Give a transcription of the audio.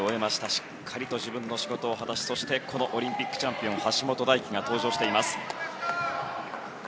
しっかりと自分の仕事を果たしそしてオリンピックチャンピオンの橋本大輝が登場しています。